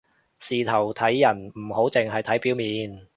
事頭睇人唔好淨係睇表面